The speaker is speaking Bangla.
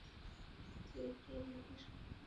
মাথাটা একটু মালিশ করে দেও তো, তেল লাগিয়ে।